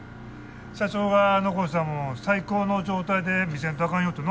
社長が残したもんを最高の状態で見せんとあかんよってな。